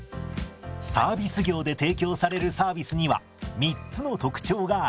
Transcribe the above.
サービス業で提供されるサービスには３つの特徴があります。